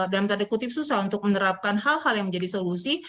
dalam tanda kutip susah untuk menerapkan hal hal yang menjadi solusi